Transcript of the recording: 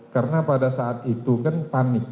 karena pada saat itu kan panik